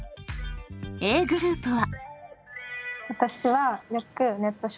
Ａグループは。